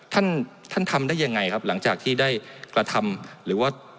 ท่านท่านทำได้ยังไงครับหลังจากที่ได้กระทำหรือว่า